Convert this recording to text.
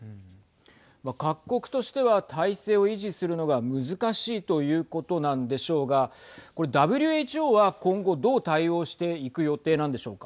各国としては体制を維持するのが難しいということなんでしょうがこれ、ＷＨＯは今後どう対応していく予定なんでしょうか。